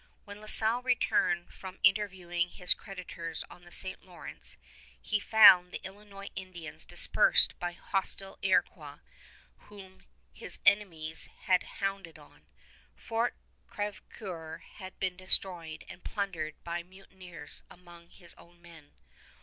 When La Salle returned from interviewing his creditors on the St. Lawrence, he found the Illinois Indians dispersed by hostile Iroquois whom his enemies had hounded on. Fort Crèvecoeur had been destroyed and plundered by mutineers among his own men.